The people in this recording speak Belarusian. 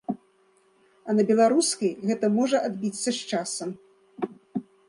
А на беларускай гэта можа адбіцца з часам.